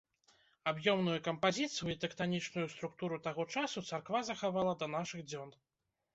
Аб'ёмную кампазіцыю і тэктанічную структуру таго часу царква захавала да нашых дзён.